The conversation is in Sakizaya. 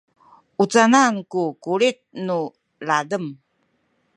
u canan ku kulit nu ladem?